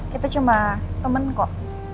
kita cuma temen kok